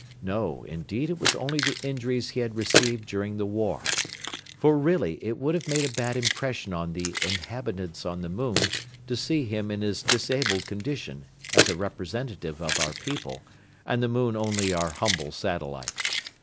No, indeed, it was only the injuries he had received during the war. For really it would have made a bad impression on the inhabitants on the moon to see him in his disabled condition as a representative of our people, and the moon only our humble satellite.